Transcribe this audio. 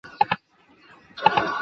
魔术新手症候群版本里发现。